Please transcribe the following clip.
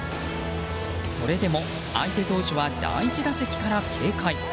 それでも、相手投手は第１打席から警戒。